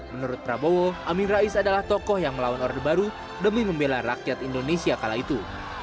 menurut prabowo amin rais adalah tokoh yang melawan orde baru demi membela rakyat indonesia kala itu